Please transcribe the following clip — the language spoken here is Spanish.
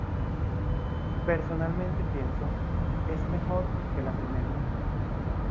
Personalmente pienso, es mejor que la primera.